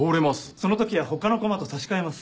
その時は他のコマと差し替えます。